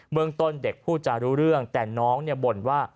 เมืองต้นเด็กพูดจารู้เรื่องแต่น้องเนี่ยบ่นว่า